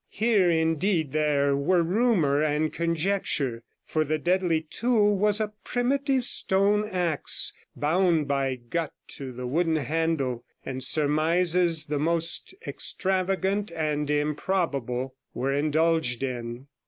Here, indeed, there were rumour and conjecture, for the deadly tool was a primitive stone axe, bound by gut to the wooden handle, and surmises the most extravagant and improbable were indulged in.